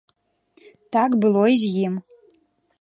Так было і з ім.